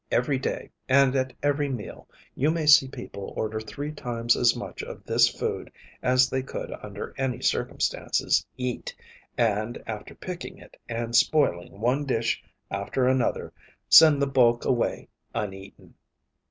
Every day, and at every meal, you may see people order three times as much of this food as they could under any circumstances eat, and, after picking it and spoiling one dish after another, send the bulk away uneaten.